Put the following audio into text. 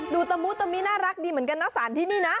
ตะมุตะมิน่ารักดีเหมือนกันนะสารที่นี่นะ